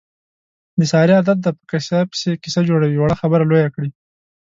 د سارې عادت دی، په قیصه پسې قیصه جوړوي. وړه خبره لویه کړي.